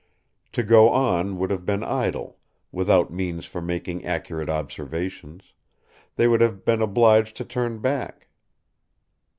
To go on would have been idle, without means for making accurate observations; they would have been obliged to turn back.